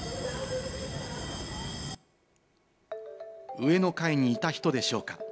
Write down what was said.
上の階にいた人でしょうか？